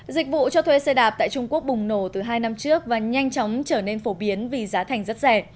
dịch vụ cho thuê xe đạp tại trung quốc bùng nổ từ hai năm trước và nhanh chóng trở nên phổ biến vì giá thành rất rẻ